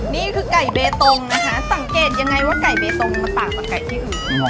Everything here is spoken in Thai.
นี่คือไก่เบตงนะคะสังเกตยังไงว่าไก่เบตงมันต่างจากไก่ที่อื่น